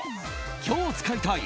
今日使いたい！